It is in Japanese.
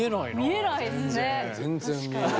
見えないですね